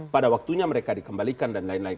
pada waktunya mereka dikembalikan dan lain lain